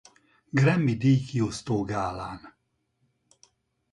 Grammy-díjkiosztó gálán.